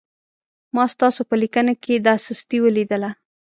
ما ستاسو په لیکنه کې دا سستي ولیدله.